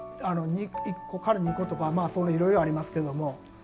１個から２個とかいろいろありますけども。